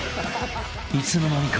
［いつの間にか］